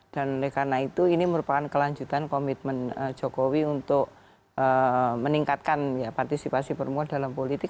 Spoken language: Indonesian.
dan karena itu ini merupakan kelanjutan komitmen jokowi untuk meningkatkan partisipasi perempuan dalam politik